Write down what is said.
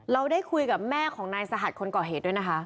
เราได้คุยกับแม่ของนายสหัสคนก่อเหตุด้วยนะคะ